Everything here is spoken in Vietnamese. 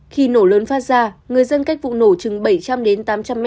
khi nổ lớn phát ra người dân cách vụ nổ chừng bảy trăm linh tám trăm linh mét